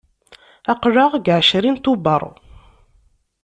Aql-aɣ deg ɛecrin Tubeṛ.